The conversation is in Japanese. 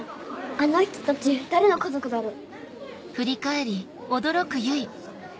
あの人たち誰の家族だろう？